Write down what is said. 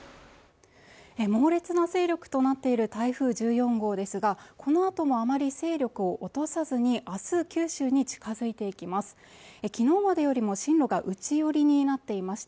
猛烈な勢力となっている台風１４号ですがこのあともあまり勢力を落とさずにあす九州に近づいていきます